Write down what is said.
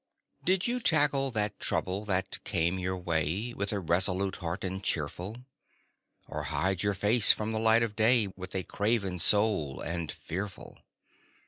Did you tackle that trouble that came your way With a resolute heart and cheerful? Or hide your face from the light of day With a craven soul and fearful?